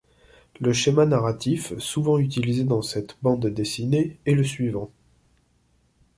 Le schéma narratif souvent utilisé dans cette bande dessinée est le suivant.